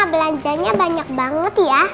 belanjanya banyak banget ya